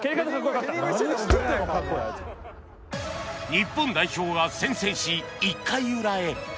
日本代表が先制し１回裏へ